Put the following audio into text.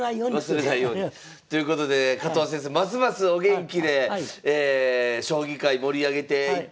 忘れないように。ということで加藤先生ますますお元気で将棋界盛り上げていただきたいと思います。